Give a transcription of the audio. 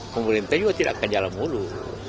pemerintah juga tidak akan jalan mulu